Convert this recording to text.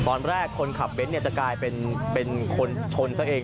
ตอนแรกคนขับเบ้นจะกลายเป็นคนชนซะเอง